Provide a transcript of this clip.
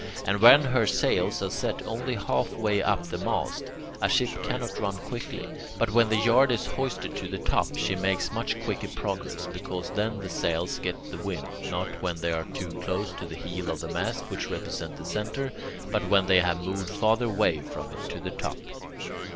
And when her sails are set only halfway up the mast, a ship cannot run quickly; but when the yard is hoisted to the top, she makes much quicker progress, because then the sails get the wind, not when they are too close to the heel of the mast, which represents the centre, but when they have moved farther away from it to the top.